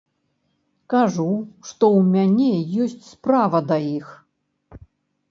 Кажу, што ў мяне ёсць справа да іх.